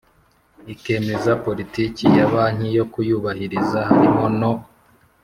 ikemeza politiki ya banki yo kuyubahiriza harimo no